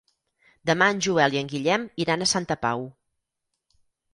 Demà en Joel i en Guillem iran a Santa Pau.